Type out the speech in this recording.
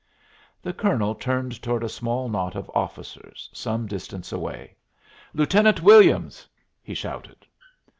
The colonel turned toward a small knot of officers some distance away. "Lieutenant Williams!" he shouted.